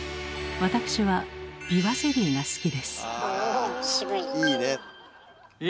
私はびわゼリーが好きです。え！